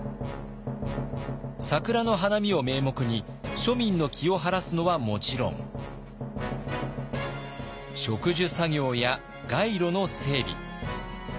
桜の花見を名目に庶民の気を晴らすのはもちろん植樹作業や街路の整備